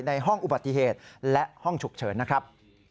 ในห้องอุบัติเหตุและห้องฉุกเฉินนะครับ